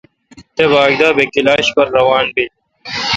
تے باگ دا بہ کلاش پر روان بیل۔